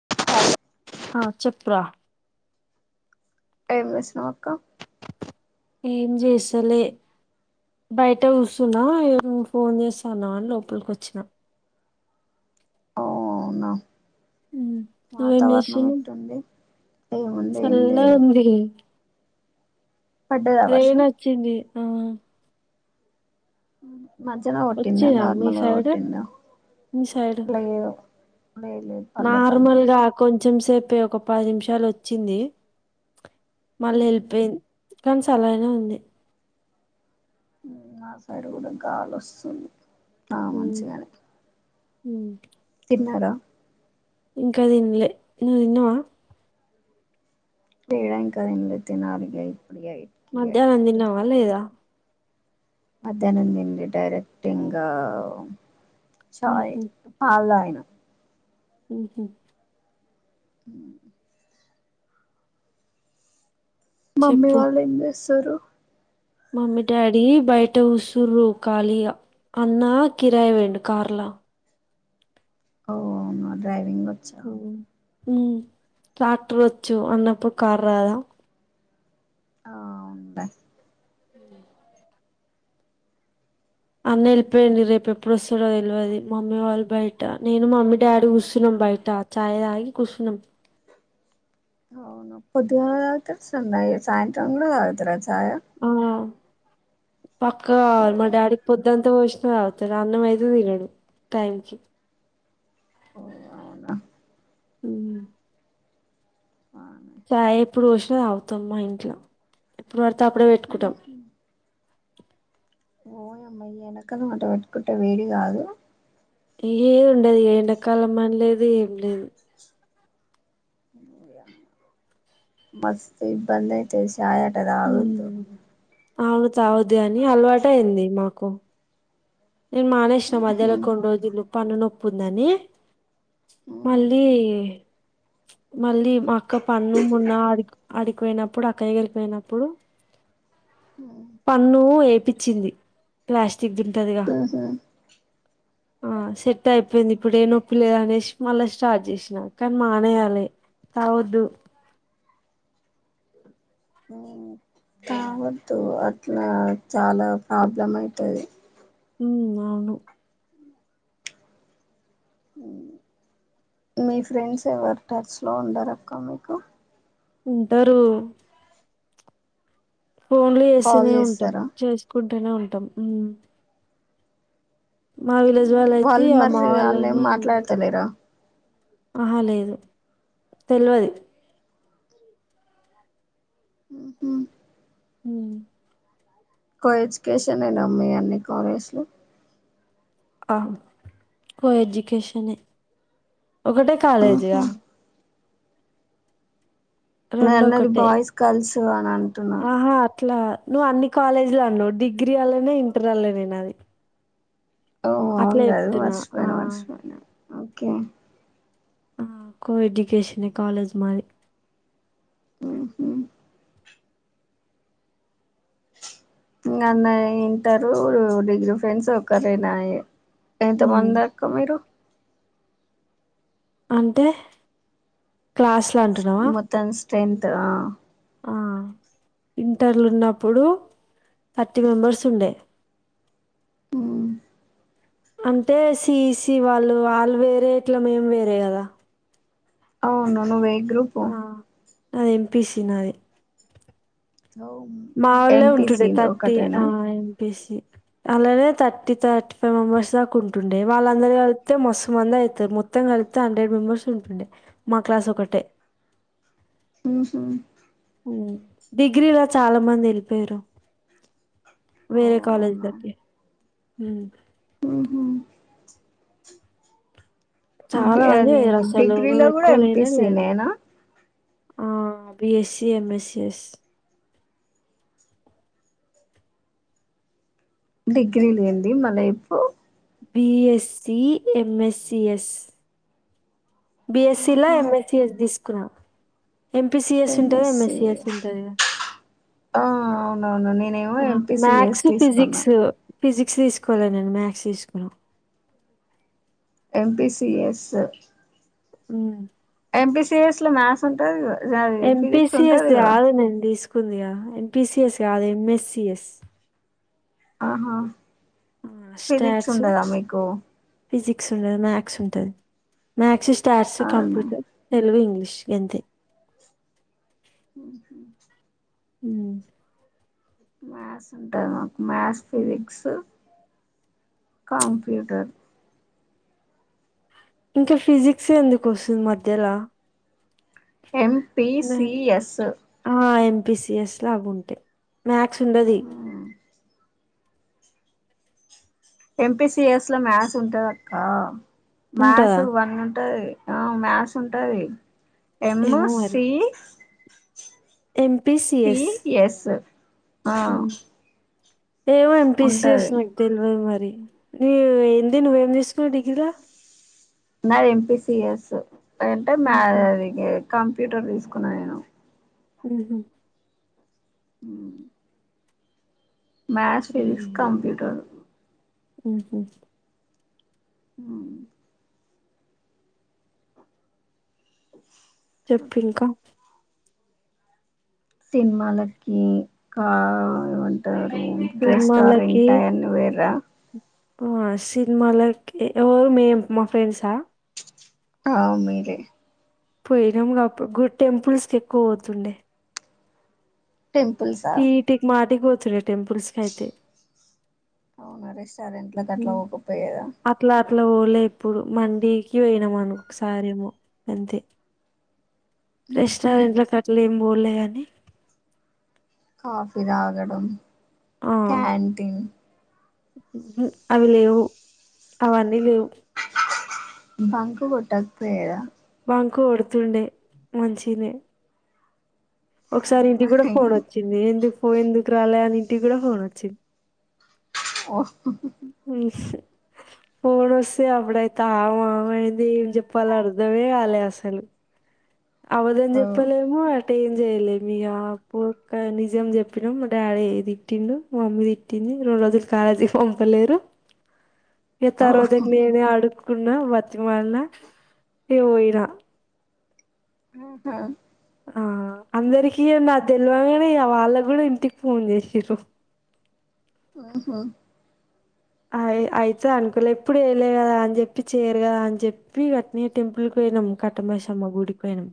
అ ఆ చెప్పరా ఏమిచ్చిన అక్క ఏం చేస్తలే బయట చస్తున్నా ఫోన్ చేస్తాను అని లోపలికి వచ్చినా అవునా ఉమ్. వాతావరణం ఎట్టుంది ఏముంది ఏం సల్ల లేదు ఉంది పడ్డదా వర్షం ట్రైన్ వచ్చింది ఆ ఉ మధ్యన కొట్టిందా వచ్చిందా మీ నార్మల్గా సైడ్ కొట్టిందా మీ సైడ్ లే లే లేదు పల్లె పల్లె మస ముప్పై ఒక పాది నిమిషాలు వచ్చింది మళ్ళీ వెళ్ళిపోయింది కానీస అాల అయినా ఉంది ఆ సైడ్ కూడా కాగాాల వస్తుంది ఆ మంచించిగాాలి హ న్నార ఇంకా దీనిలే నువ్వు తిన్నావా ఏడకం లేతే నాలుగయి అప్పుడియి కయి మధ్యాహ్నం తిన్నావా కీ తింట లేదా మధ్యానం తినలే డైరెక్ట్ ఇంకా సాయి ఉహు, పాలు తాగిన ఉహు మమ్మీ చెప్పు వాల్ ఏంచే సరు మమ్మీ డాడీ బయట ఉసుర్రు ఖళీగా అన్న కిరాయి పోయిండు కార్లా ఓవును డ్రైవింగ్ వచ్చ ఉ ట్రాక్టర్ వచ్చు అన్నప్పుడు కార్ రాదా ఆ ఉంట అన్న వెళ్ళిపోయిడి రేపు ఎప్పుడు వస్తాడో తెలివదు మమ్మీ వాళ్ళు బయట నేను మా మమ్మీ డాడీ ఉసినం బయట చాయ్ తాగి కుష్ణం అవున పొందుగల తగుతార్ సాయంత్రం కూడా తాగుతార ఆ, పక్క మా డాడీకి పొద్దత ఎత్త పోషణం రాతడు అన్నంమయితే తినడు టైంకి ఓ అవున ఉమ్ బానే. చ ఎప్పుడు పోసిన అవుతాం మా ఇంట్లో ఎప్పుడు వర తప్పుడే పెట్టుకుంటాం ఓయ్ అమ్మా ఎండ కాలం ఆట పెట్టుకుంటే వేడి కాదు ఏది ఉండదు ఎండకాలం అని లేదు ఏం లేదు మస్తు ఇబ్బంది అయితే చాయ్ అట తగోద్ధు ఉమ్. అవును తాగొద్దు గాని అలవాటయింది మాకు ఇన్ మానే ఇష్నా ఉహు. మధ్యలో కొన్ని రోజులు పన్న నొప్పి ఉందని ఉహు. మళ్ళీ మళ్ళీ మా అక్క పన్ను మోన్న ఆడి ఆడికిపోయినప్పుడు అక్కయగలికిపోయినప్పుడు పన్ను ఎ పిచింది ప్లాస్టిక్ ది ఉంటది గ ఆహ ఆ సెట్ అయిపోయింది ఇప్పుడు ఏ నొప్పి లేదు అనేశి మళ్ళ స్టార్ట్ చేసినా కనీ మానేయాలి తాగొద్దు తాగొద్దు అట్లా చాలా ప్రాబ్లం అయితది హమ్ అవును మీ ఫ్రెండ్స్ ఎవరు టచ్ లో ఉండరక్క మీకు ఉంటరు ఫోన్లు కాల్ చేస్తేనే ఉంటం చేస్తారా చేంచ్కుం టనే ఉంటం మా విలేజ్ వాళ్ళయితే వాళ్ళు ఆ మరి మా వాళ్ళు ఏం వాళ్ళని మాట్లాడతలేరా ఆహ లేదు తెల్వది ఆ హ కో ఎడ్యుకేషనేనా మీ అన్ని కాలేజ్లు ఆ కో ఎజ్యుకేషనే ఒకటే కాలేజ్ గా రెండు నేన్నది ఒకటే బాయ్స్ గల్స్ అంటున్న ఆహా అట్లా నువ్వు అన్ని కాలేజీలు అన్నవ్ డిగ్రీ అళ్ళనే ఇంటర్ అళ్ళనే నాది ఓ అట్లే అవునుగాదు చెప్తున్నా ఆ మరిశిపెయిన మరిశిపెయన ఓకే ఆ కో ఎడ్యుకేషనే కాలేజ్ మాది హమ్ మ్ ఇంగ అన్నయ్య ఇంటరు డిగ్రీ ఫ్రెండ్స్ ఒకరేనాయే ఉమ్, ఎంతమందక్క మీరు అంటే క్లాస్ లో అంటున్నవా మొత్తం స్ట్రెంత్ ఆ ఆ ఇంటర్లున్నప్పుడు థర్టీ మెంబర్స్ ఉండే అంటే సిఈసి వాళ్ళు వాళ్ళు వేరే ఇట్లా మేం వేరే కదా అవును నువే గ్రూపు నాది ఎంపీసి నాది మా వాళ్ళ ఉంటుండే ఎంపీసి థర్టీ ఒకటేనా ఆ ఎంపిసి అలానే థర్టీ థర్టీ ఫైవ్ మెంబెర్స్ దాకా ఉంటుండే వాళ్ళందరు కలుపుతే మస్సుమంద యితరు మొత్తం కలుపుతే హండ్రెడ్ మెంబర్స్ ఉంటుండే మా క్లాస్ ఒకటే హహ డిగ్రీలో చాలమంది ఎళ్ళిపోయిర్రు ఓ వేరే కాలేజిలకి హ హమ్ చాలా మంది అది వేరు అసలు డిగ్రీలో కూడా ఎంపీసీ నేనా ఆ బిఎస్సి ఎంఎస్సఎస్ డిగ్రీ లేండి మా వైపు బీఎస్సి ఎంఎస్సి ఎస్ బిఎస్సి లా ఆహా ఎంస్సి తీసు క్రా ఎంపీ సిఎస్ ఉంటది ఎంఎస్సి ఎంఎస్సిఎస్ ఉంటది కదా ఆ అవునవును నేనేమో ఎంపీసిఎస్ మ్యాథ్స్ తీసుకున్నా ఫిజిక్స్ ఫిజిక్స్ తీసుకోలేదు నేను మ్యాథ్స్ తీసుకున్నా ఎంపి సిఎస్ హ్మ్ ఎంపీ సిఎస్ లో మ్యాథ్స్ ఉంటది కదా ఎంపీసి ఎస్ కాదు నేను తీసుకు కుంది ఎంపి సిఎస్ కాదు ఎంఎస్సి ఎస్ ఆహా ఫిజిక్స్ స్టాట్స్, ఉండదా మీకు ఫిజిక్స్ ఉండది మ్యాథ్స్ ఉంటుంది మ్యాథ్స్స్ స్టార్ట్స్ అవునా కంప్యూటర్ తెలుగు ఇంగ్లీష్ ష్ గంతే హ్మ్ హు హ్మ్ మ్యాథ్స్ ఉంటది మాకు మ్యాథ్స్ హ్మ్. ఫిజిక్స్ కంప్యూటర్ ఇంకా ఫిజిక్స్ ఎందుకు వస్తుంది మధ్యలా M P C S P C S అవు ఉంటయ్ క్స్ ఉండది ఎం పి సిఎస్ లో మ్యాథ్స్ ఉంటది అక్క మ్యాథ్స్ ఉంటదా? వన్ ఉంటది ఆ మ్యాస్ ఉంటది ఎం ఏమో మరి. C P MPCS. ఎస్ ఆ హ్మ్. ఏమో ఎంపిసిఎస్ ఉంటది నాకు తెలవదు మరి నీ ఎంది నువ్వేం తీసుకున్న డిగ్రీలా నాది ఎంపి సిఎస్ అంటే మ ఉహు, అది కంప్యూటర్ తీసుకున్నా నేను హ్మ్ హు హ్మ్ మ్యాస్ ఫిజిక్స్ కంప్యూటర్ హ్మ్ హు హ్మ్ చెప్పింకా సినిమాలకి ఇంకా ఏమంటారు రెస్టారెంట్ అయన్ని పోయిండ్రా సినిమా లైక్ ఎవరు మేము మా ఫ్రెండ్సా ఆ మీరే పోయినాము కాక టెంపుల్స్ కి ఎక్కువ పోతుండే టెంపుల్స్ ఆ ఈటికి మాటికి పోతుండే టెంపుల్స్ కైతే అవునురే రెస్టారెంట్లలకు అట్లా పోతుండే కదా అట్ల ఓలే ఎప్పుడు మండికి వెయినాం అను ఒకసారేమో అంతే రెస్టారెంట్ల క అట్టలేం బోలేగాని కాఫిలాగడం ఆ, క్యాంటిన్ అవి లేవు అవన్నీ లేవు బంకు కొట్టు అంతే కదా బంకు కొడుతుండే మంచినే ఒకసారి ఇంటికి కూడా ఫోన్ వచ్చింది ఎందుకు ఓ ఎందుకు రాలె అని ఇంటి కూడా ఫోన్ వచ్చి ఓ ఫోన్ వస్తే అప్పుడైతే ఆ ఆమయింది ఏం చెప్పలో అర్ధమే కాలే అసలు అబద్ధం ఓ ఓ చెప్పలేము అట్టే ఏం చెయలే మీ అప్పు ఒ నిజం చెప్పిన మా డాడీ తిట్టిండు మా మమ్మీ తిట్టింది రెండు రోజులు కాలేజీకి పొంపలేరు ఏ ఉహు తర్వతికి నేనే ఆడుకు కున్న బతిమాలిన ఇగ పోయిన ఆహా ఆ అందరికి నా తెలివంగానే వాళ్ళకు కూడా ఇంటికి ఫోన్ చేసారు హమ్ మ్మ అ అయితే అనుకోలే ఎప్పుడు వేయలే కదా అని చెప్పి చేరు కదా అని చెప్పి వెట్నే టీంపుల్ కి పోయినాం కట్టమైసమ్మ గుడికి పోయినాం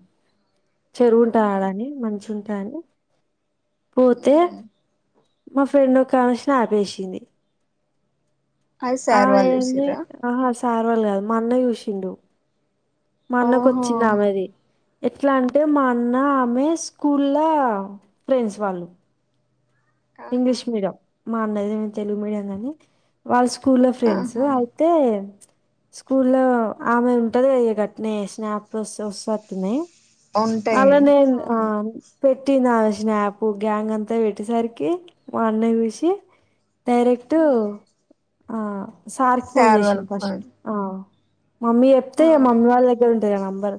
చెరువు ఉంటాది ఆడని మంచిగ ఉంటదని పోతే ఉహు మా ఫ్రెండ్ ఒక కాంషన్ ఆపేసింది అది ఆ సార్ వాళ్ళు చూసిర్రా ఆ సార్వళ కాదు మ అన్న చూసిండు ఓహో మన్నకొచ్చింది ఆమెది ఎట్లా అంటే మా అన్న ఆమె స్కూల్ల ఫెన్డ్స్ వాళ్ళు ఆహా ఇంగ్లీష్ మీడియం మా అన్నది ఏమ తెలుగు మీడియం కానీ వాళ్ళు స్కూల్ ఫ్రెండ్స్ ఆహా అయితే స్కూల్లో ఆమె ఉంటది అయ్య గట్నే స్ప్లు వ వస్తుట్టున్నాయి ఉంటాయి అలానేేను ఆ అవును పెట్టి నా స్నాపు గ్యాంగ్ అంతా పెట్టేసరికి మా అన్న చూసి డైరెక్ట్ ఉమ్. ఆ సార్కి ఫోన్ సార్ చేసింది వాళ్ళకి ఫస్ట్ ఫోన్ ఆ మమ్మీ చెప్తే ఆ మమ్మ వాళ్ళ దగ్గర ఉంటు కదమ్మ బర్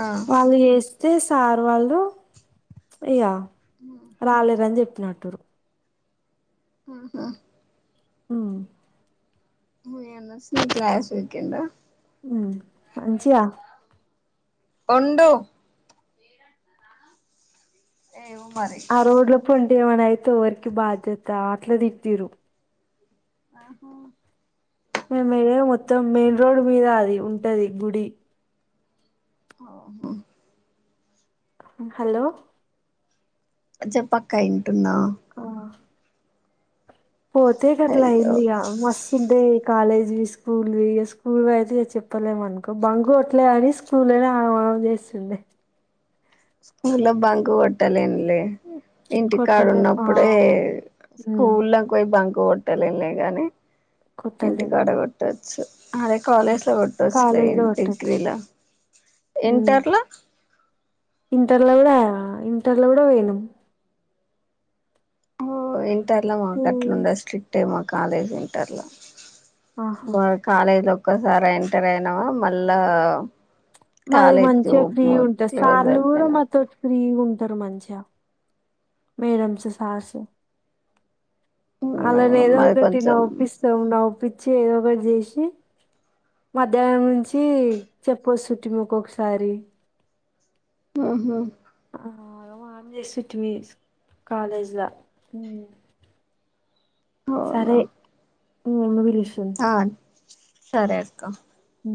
ఆ వాళ్ళు చే చే సారు వాళ్ళు అయ్యా రాలేరాని చెప్ప చిక్నాటూరు ఆహా ఆ ఏన్న న కలా చికడా మంచించియా ఉండు ఏవు మరి ఏమన అయితే ఎవరికి బాధ్యత అట్లా తితరు ఆ హా మేము ఎడ మొత్తం మెయిన్ రోడ్ మీద అది ఉంటది గుడి ఆఓ హ హలో జబక్క ఇన్ ఆ పోతే అయ్యో కట్టలాయిందంది ఆ మస్తు ఉంటే కాలేజ్వి స్కూల్ ఇ స్కూల్ అయితే ఇక చెప్పలేము అనుకో బంగ కొట్లే అని స్కూల్నే ఆ చేస్తుండే స్కూ లో బంకు కొట్టాలంలే ఇంటికాడు కొట్టలేం ఆ ఉన్నప్పుడే ఉమ్ స్కూల్ లో పోయి బంక ట్టలున్నా గాని ఇంటి కొట్టలేం కాడ కొట్ట చి అదే కాలేజ్ లో పట్టొచ్చులే కాలేజ్ లో కొట్టొచ్చు డిగ్రీలో ఉమ్ ఇంటర్లో ఇంటర్లో కూడా ఇంటర్ల కూడా కూడా పూనం లా మాకు అట్లా ఉమ్, ఉండదు స్ట్రిక్ట్ అ మాకు కాలేజ్ వింటర్లో ఆహా మ కాలేజలో ఒక్కసారి ఎంటర్ అయినావా మళ్ళా మాది కాలేజ్ మంచిగా ఫ్రీ ఉంటుంది క్లోజ్ సార్లు కూడా అయిపోయినప్పుడు మాతోటి ఫ్రీ ఉంటు సర్ మంంచ మేడమ ససార సో అలానే ఏదో మాది ఒకటి న కొంచెం ఒప్పిస్తాం నపిస్త వచ్చి ఏదో ఒకటి చేసి మధ్యాహ్నం నుంచి చెప్పొస్తుట్టిక్కొకసారి ఆహా వా చేస్తుటీ మీ కాలజ్లా అవునా మమ్మీ పిలుస్తుంది ఆను సరే అక్క అ